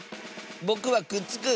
ぼくはくっつく！